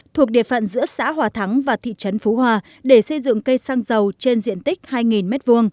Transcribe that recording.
thuộc địa phận giữa xã hòa thắng và thị trấn phú hòa để xây dựng cây xăng dầu trên diện tích hai m hai